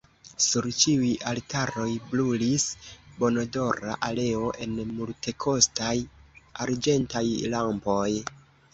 Sur ĉiuj altaroj brulis bonodora oleo en multekostaj arĝentaj lampoj.